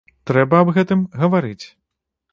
Трэба аб гэтым гаварыць.